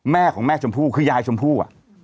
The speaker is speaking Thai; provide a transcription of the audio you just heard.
แม่ของแม่ชมพู่คือยายชมพู่